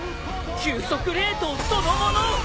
急速冷凍そのもの！